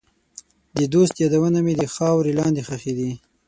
د دوست یادونه مې د خاورې لاندې ښخې دي.